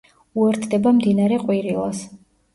უერთდება მდინარე ყვირილას.